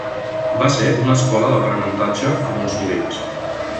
Va ser una escola d'aprenentatge a molts nivells.